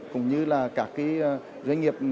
cũng như là các cái doanh nghiệp